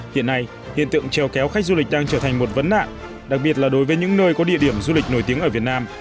hiện nay hiện tượng treo kéo khách du lịch đang trở thành một vấn nạn đặc biệt là đối với những nơi có địa điểm du lịch nổi tiếng ở việt nam